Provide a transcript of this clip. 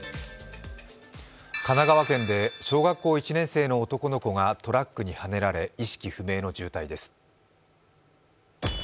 神奈川県で小学校１年生の男の子がトラックにはねられ、意識不明の重体です。